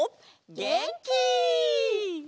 げんき！